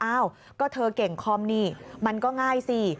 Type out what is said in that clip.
อ้าวก็เธอเก่งคอมนี่มันก็ง่ายสิ